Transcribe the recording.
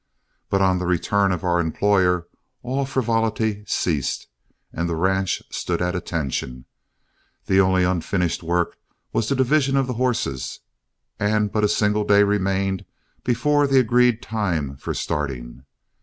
But on the return of our employer, all frivolity ceased, and the ranch stood at attention. The only unfinished work was the division of the horses, and but a single day remained before the agreed time for starting.